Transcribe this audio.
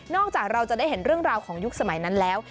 จากเราจะได้เห็นเรื่องราวของยุคสมัยนั้นแล้ว